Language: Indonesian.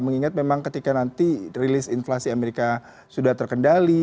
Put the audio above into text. mengingat memang ketika nanti rilis inflasi amerika sudah terkendali